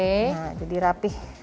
nah jadi rapih